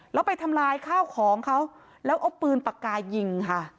แล้วไปทำลายข้าวของเขาแล้วเอาปืนปากกายิงค่ะ